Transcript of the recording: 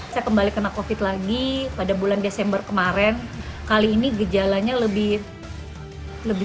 dua ribu dua puluh saya kembali kena covid lagi pada bulan desember kemarin kali ini gejalanya lebih lebih